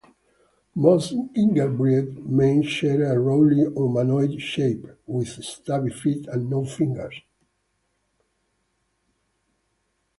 Most gingerbread men share a roughly humanoid shape, with stubby feet and no fingers.